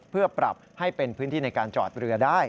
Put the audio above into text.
เพื่อปรับให้เป็นพื้นที่ในการจอดเรือได้